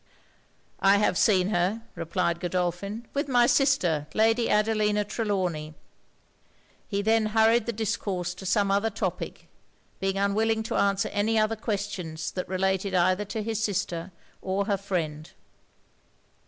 'I have seen her,' replied Godolphin, 'with my sister, Lady Adelina Trelawny.' He then hurried the discourse to some other topic; being unwilling to answer any other questions that related either to his sister or her friend.